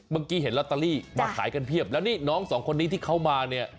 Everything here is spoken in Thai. เมื่อกี้เห็นลอตเตอรี่มาขายกันเพียบแล้วนี่น้องสองคนนี้ที่เขามาเนี่ย